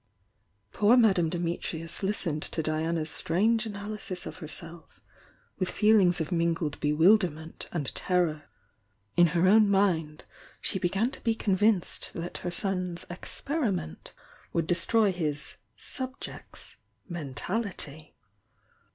Poor Madame Dimitrius listened to Diana's strange analysis of herself with feelings of mingled bewilderment and terror. In her own mind she began to be convinced that her son's "experiment" would destroy his "subject's" mentality.